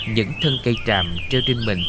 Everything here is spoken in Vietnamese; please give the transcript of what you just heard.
những thân cây trạm trêu riêng mình